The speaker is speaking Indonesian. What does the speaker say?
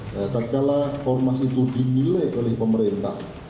katakanlah ormas itu dinilai oleh pemerintah